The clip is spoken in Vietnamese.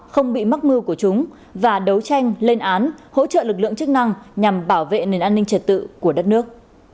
không bị mắc mưu của chúng và đấu tranh lên án hỗ trợ lực lượng chức năng nhằm bảo vệ nền an ninh trật tự của đất nước